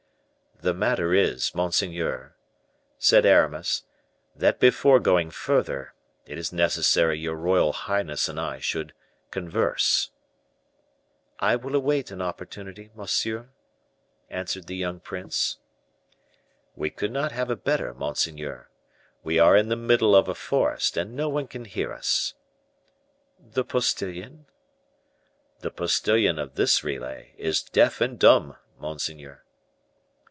"The matter is, monseigneur," said Aramis, "that before going further, it is necessary your royal highness and I should converse." "I will await an opportunity, monsieur," answered the young prince. "We could not have a better, monseigneur. We are in the middle of a forest, and no one can hear us." "The postilion?" "The postilion of this relay is deaf and dumb, monseigneur."